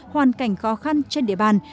hoàn cảnh khó khăn trên địa bàn